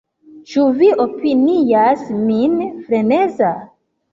Ĉu vi opinias min freneza?